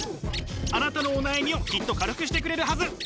あなたのお悩みをきっと軽くしてくれるはず。